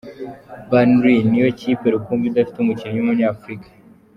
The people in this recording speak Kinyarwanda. Burnley ni yo kipe rukumbi idafite umukinnyi w’Umunyafurika.